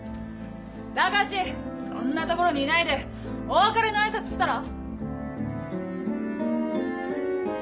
高志そんな所にいないでお別れの挨拶したら？